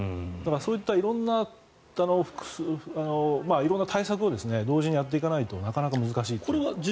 そういった色んな対策を同時にやっていかないとなかなか難しいと思いますね。